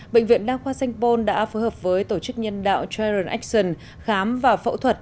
bệnh viện đa khoa sanh pôn đã phối hợp với tổ chức nhân đạo trion acion khám và phẫu thuật